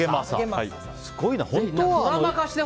すごいな。